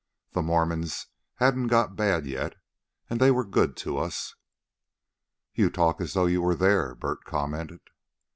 The Mormons hadn't got bad yet, and they were good to us." "You talk as though you were there," Bert commented.